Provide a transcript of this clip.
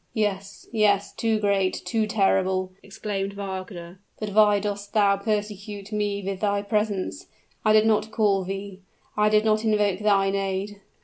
"Yes yes; too great too terrible!" exclaimed Wagner. "But why dost thou persecute me with thy presence? I did not call thee I did not invoke thine aid."